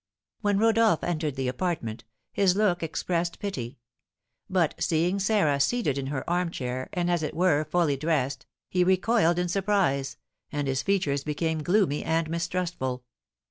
When Rodolph entered the apartment, his look expressed pity; but, seeing Sarah seated in her armchair, and, as it were, full dressed, he recoiled in surprise, and his features became gloomy and mistrustful.